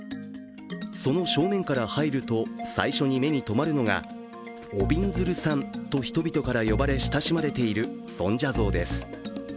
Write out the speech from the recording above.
その正面から入ると最初に目にとまるのがおびんずるさんと人々から呼ばれ親しまれている尊者像です。